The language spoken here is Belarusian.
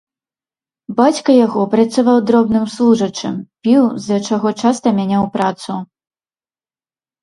Бацька яго працаваў дробным служачым, піў, з-за чаго часта мяняў працу.